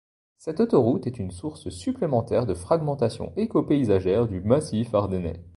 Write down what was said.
Cette autoroute est une source supplémentaire de fragmentation écopaysagère du massif ardennais.